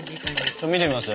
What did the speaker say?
ちょっと見てみます？